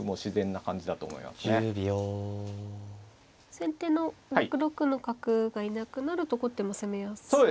先手の６六の角がいなくなると後手も攻めやすいですか。